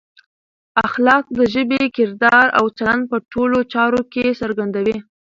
اخلاق د ژبې، کردار او چلند په ټولو چارو کې څرګندوي.